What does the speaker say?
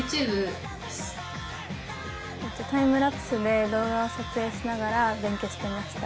タイムラプスで動画を撮影しながら勉強してました。